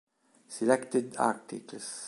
Selected articles